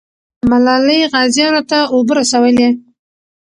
ملالۍ غازیانو ته اوبه رسولې.